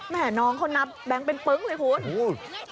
แม่น้องเขานับแบงค์เป็นปึ๊งเลยคุณ